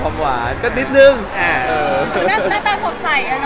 เราหรือสนใจ